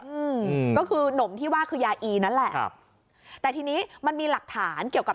อืมก็คือหนมที่ว่าคือยาอีนั่นแหละครับแต่ทีนี้มันมีหลักฐานเกี่ยวกับ